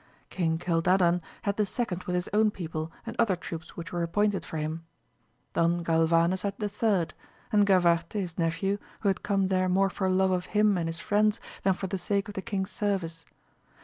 King Gildadan had the second with his own people and other troops which were appointed for him, Don Galvanes had the third ; and Gavarte, his nephew, who had come there more for love of him and his friends than for the sake of the king's service.